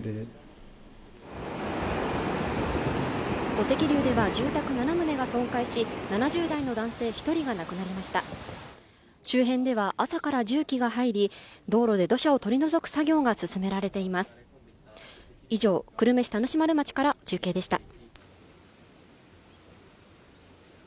土石流では住宅７棟が損壊し、７０代の男性１人が亡くなりました周辺では朝から重機が入り、道路で土砂を取り除く作業が進められています以上、久留米市田主丸町から中継でした。